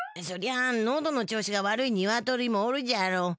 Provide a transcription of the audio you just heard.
そりゃあのどの調子が悪いニワトリもおるじゃろ。